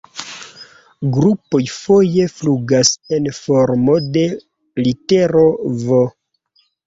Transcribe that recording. Grupoj foje flugas en formo de litero "V".